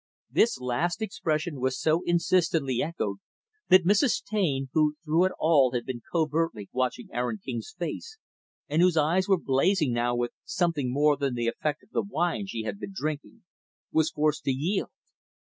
This last expression was so insistently echoed that Mrs. Taine who, through it all, had been covertly watching Aaron King's face, and whose eyes were blazing now with something more than the effect of the wine she had been drinking was forced to yield.